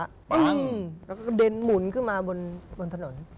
ปั้งแล้วก็เด็นหมุนขึ้นมาบนถนน